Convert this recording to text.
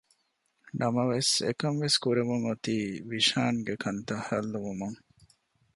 ނަމަވެސް އެކަންވެސް ކުރެވެން އޮތީ ވިޝާންގެ ކަންތައް ހައްލުވުމުން